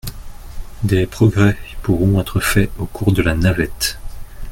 Des progrès pourront être faits au cours de la navette.